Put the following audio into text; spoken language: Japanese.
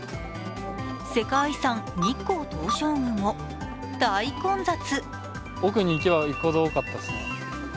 世界遺産・日光東照宮も大混雑。